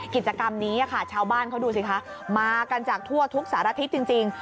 กิจกรรมนี้ค่ะชาวบ้านเขาดูสิคะมากันจากทั่วทุกสารทิศจริง